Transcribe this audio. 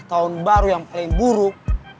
tahun baru yang paling buruk